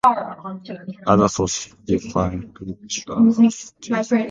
Other sources define a pinch as tsp.